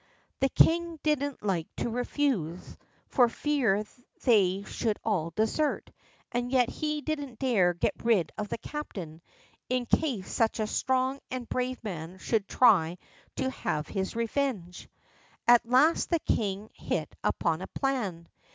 The king didn't like to refuse, for fear they should all desert, and yet he didn't dare get rid of the captain, in case such a strong and brave man should try to have his revenge. At last the king hit upon a plan.